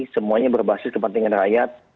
semuanya berbasis kepentingan rakyat